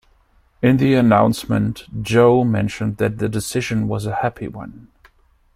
In the announcement Joe mentioned that the decision was a happy one.